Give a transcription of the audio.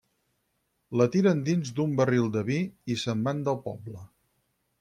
La tiren dins d'un barril de vi i se'n van del poble.